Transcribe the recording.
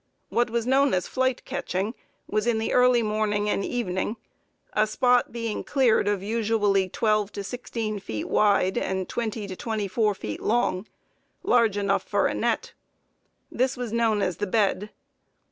What was known as flight catching was in the early morning and evening, a spot being cleared of usually twelve to sixteen feet wide and twenty to twenty four feet long, large enough for a net. This was known as the bed.